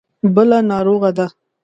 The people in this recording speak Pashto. بله ناروغه ده.